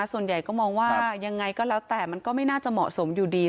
ส่วนใหญ่ก็มองว่ายังไงก็แล้วแต่มันก็ไม่น่าจะเหมาะสมอยู่ดี